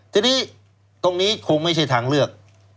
ทีนี้ตรงนี้คงไม่ใช่ทางเลือก